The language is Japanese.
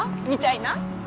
みたいな。